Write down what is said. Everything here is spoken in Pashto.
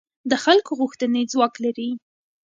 د خلکو غوښتنې ځواک لري